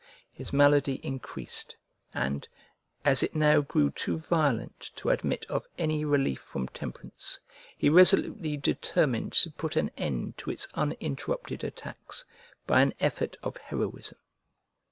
His malady increased; and, as it now grew too violent to admit of any relief from temperance, he resolutely determined to put an end to its uninterrupted attacks, by an effort of heroism.